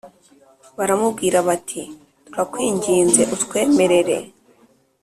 Baramubwira bati turakwinginze utwemerere